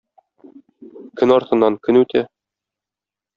Көн артыннан көн үтә.